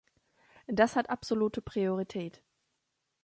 Das hat absolute Priorität.